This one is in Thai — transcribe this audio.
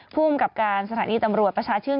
ภูมิกับการสถานีตำรวจประชาชื่น